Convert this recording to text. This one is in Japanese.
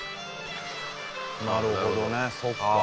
なるほどねそうか。